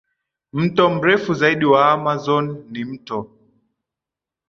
Mto mrefu zaidi wa Amazon ni Mto